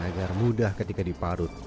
agar mudah ketika diparut